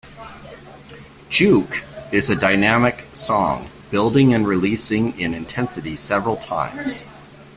"Juke" is a dynamic song, building and releasing in intensity several times.